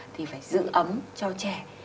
thì phải giữ ấm cho trẻ